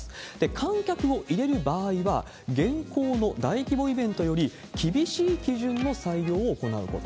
観客を入れる場合は、現行の大規模イベントより厳しい基準の採用を行うこと。